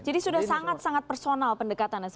jadi sudah sangat sangat personal pendekatan ya